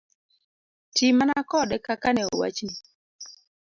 Ti mana kode kaka ne owachni.